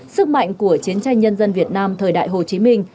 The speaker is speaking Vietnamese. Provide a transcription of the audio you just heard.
sức mạnh của chiến tranh nhân dân việt nam thời đại hồ chí minh